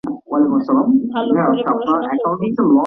ভালো করে পড়াশোনা করবি।